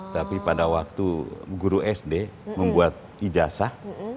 tapi pada waktu guru sd membuat ijazah